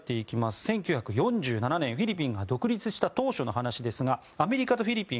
１９４７年フィリピンが独立した当初ですがアメリカとフィリピン